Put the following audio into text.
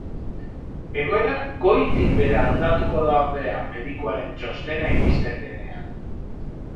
Egoera goitik behera aldatuko da ordea, medikuaren txostena iristen denean.